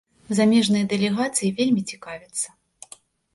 Замежныя дэлегацыі вельмі цікавяцца.